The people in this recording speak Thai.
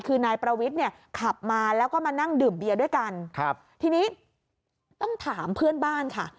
คือนายประวิทย์เนี่ยขับมาแล้วก็มานั่งดื่มเบียร์ด้วยกันครับทีนี้ต้องถามเพื่อนบ้านค่ะ